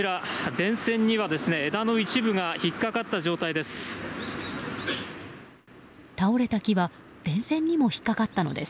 電線には枝の一部が引っかかった状態です。